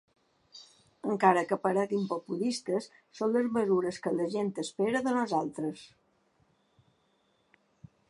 Encara que pareguen populistes, són les mesures que la gent espera de nosaltres.